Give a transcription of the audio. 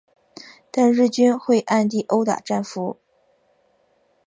但日军会暗地殴打战俘。